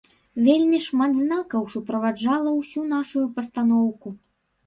Вельмі шмат знакаў суправаджала ўсю нашую пастаноўку.